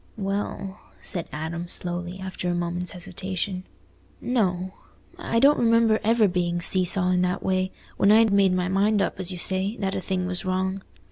"Well," said Adam, slowly, after a moment's hesitation, "no. I don't remember ever being see saw in that way, when I'd made my mind up, as you say, that a thing was wrong.